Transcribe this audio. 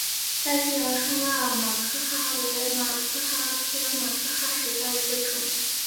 大西洋冲浪马珂蛤为马珂蛤科马珂蛤属下的一个种。